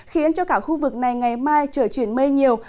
khiến cho cả khu vực này ngày mai trở chuyển mây nhiều